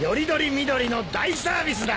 見取りの大サービスだ！